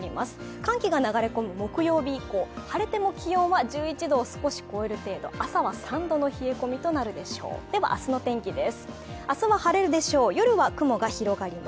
寒気が流れ込む木曜日以降、晴れても気温は１１度を少し超える程度、朝は３度の冷え込みとなるでしょうスポーツです。